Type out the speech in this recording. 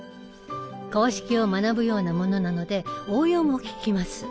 公式を学ぶようなものなので応用も利きます。